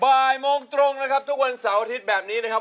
บ่ายโมงตรงนะครับทุกวันเสาร์อาทิตย์แบบนี้นะครับ